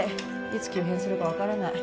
いつ急変するかわからない。